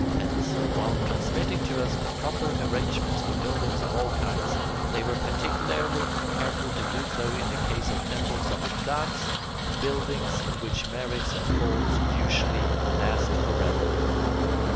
Hence, while transmitting to us the proper arrangements for buildings of all kinds, they were particularly careful to do so in the case of temples of the gods, buildings in which merits and faults usually last forever.